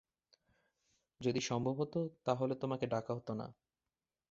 যদি সম্ভব হত, তাহলে তোমাকে ডাকা হত না।